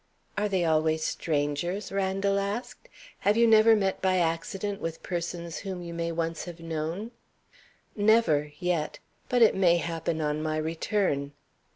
"Are they always strangers?" Randal asked. "Have you never met by accident with persons whom you may once have known?" "Never yet. But it may happen on my return."